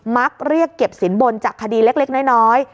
มักเรียกเก็บสินบนจากคดีเล็กน้อย